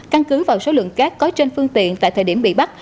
căn cứ vào số lượng cát có trên phương tiện tại thời điểm bị bắt